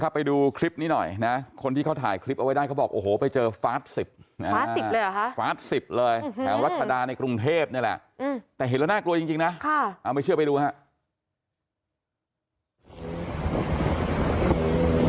ไปดูคลิปนี้หน่อยนะคนที่เขาถ่ายคลิปเอาไว้ได้เขาบอกโอ้โหไปเจอฟาส๑๐นะฮะฟาส๑๐เลยแถวรัชดาในกรุงเทพนี่แหละแต่เห็นแล้วน่ากลัวจริงนะไม่เชื่อไปดูครับ